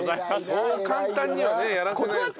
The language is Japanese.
そう簡単にはねやらせないですけど。